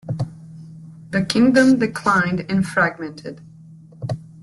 The kingdom declined and fragmented.